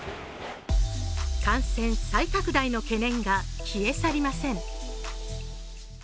感染再拡大の懸念が消え去りません。